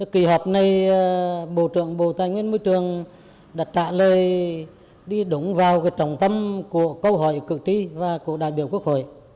kỳ họp này bộ trưởng bộ tài nguyên môi trường đã trả lời đi đúng vào trọng tâm của câu hỏi cực kỳ và của đại biểu quốc hội